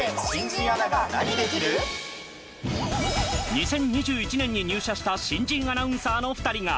２０２１年に入社した新人アナウンサーの２人が。